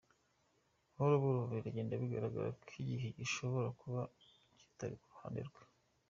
Buhoro buhoro biragenda bigaragara ko igihe gishobora kuba kitari ku ruhande rwe.